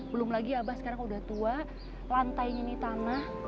belum lagi abah sekarang udah tua lantainya ini tanah